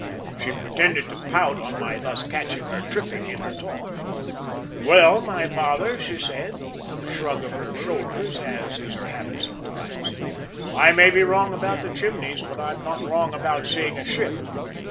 "She pretended to pout on my thus catching her tripping in her talk. "`Well, my father,' said she, with a shrug of her shoulders, as is her habit sometimes, `I may be wrong about the chimneys, but I am not wrong about seeing a ship.